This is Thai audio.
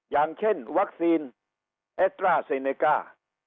อย่างเช่นวัคซีนเอตรราซีเนการ์